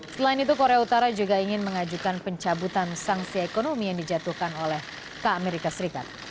selain itu korea utara juga ingin mengajukan pencabutan sanksi ekonomi yang dijatuhkan oleh ke amerika serikat